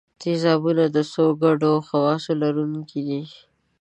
تیزابونه د څو ګډو خواصو لرونکي دي.